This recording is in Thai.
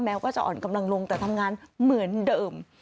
ก็จะอ่อนกำลังลงแต่ทำงานเหมือนเดิม